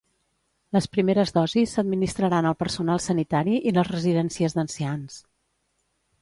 Les primeres dosis s'administraran al personal sanitari i les residències d'ancians.